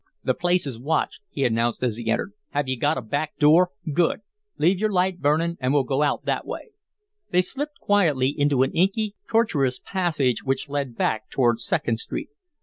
"The place is watched," he announced as he entered. "Have you got a back door? Good! Leave your light burning and we'll go out that way." They slipped quietly into an inky, tortuous passage which led back towards Second Street.